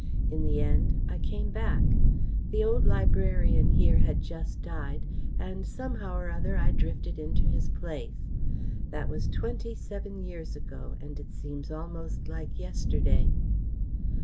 In the end I came back. The old librarian here had just died, and somehow or other I drifted into his place. That was twenty seven years ago and it seems almost like yesterday."